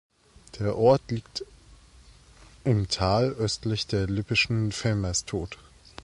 Der Ort liegt im Tal östlich der Lippischen Velmerstot.